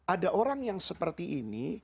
ada orang yang seperti ini